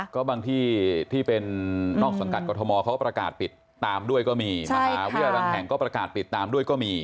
ก็บางที่ที่เป็นนอกสังกัดกรทมเขาก็ประกาศปิดตามด้วยก็มีมหาวิทยาลัยบางแห่งก็ประกาศปิดตามด้วยก็มี